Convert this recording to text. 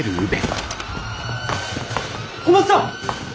小松さん！